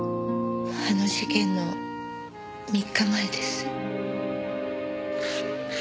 あの事件の３日前です。